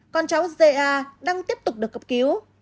còn cháu za đang tiếp tục được cấp cứu